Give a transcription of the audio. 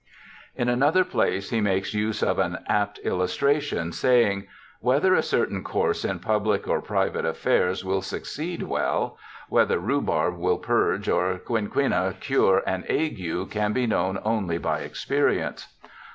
JOHN LOCKE 79 In another place he makes use of an apt illustration, saying :' Whether a certain course in public or private affairs will succeed well— whether rhubarb will purge or quinquina cure an ague can be known only by experience.'